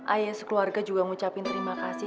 ayah sekeluarga juga ngucapin terima kasih